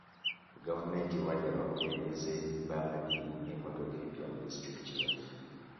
Gavumenti ewadde abakulembeze b'amaddiini emmotoka empya mu disitulikiti yaffe .